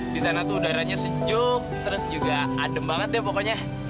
di sana tuh udaranya sejuk terus juga adem banget deh pokoknya